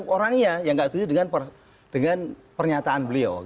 orangnya yang tidak setuju dengan pernyataan beliau